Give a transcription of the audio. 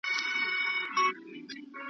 د بازانو د مرغانو ننداره وه .